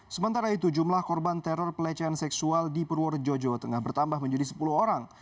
sementara itu jumlah korban teror pelecehan seksual di purworejo jawa tengah bertambah menjadi sepuluh orang